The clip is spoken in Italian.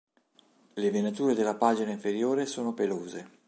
Le venature della pagina inferiore sono pelose.